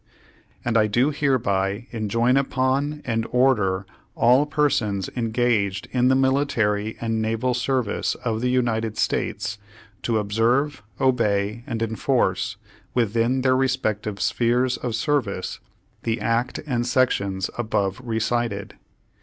"And I do hereby enjoin upon and order all persons engaged in the military and naval service of the United States to observe, obey, and enforce, within their re spective spheres of service, the act and sections above recited.